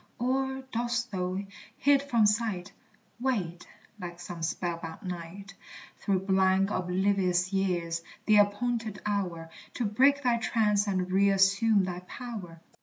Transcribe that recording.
Or dost thou, hid from sight, Wait, like some spell bound knight, Through blank, oblivious years the appointed hour To break thy trance and reassume thy power?